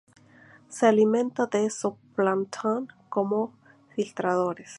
Se alimenta de zooplancton, como filtradores.